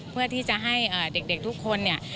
เพื่อที่จะให้เด็กทุกคนเนี่ย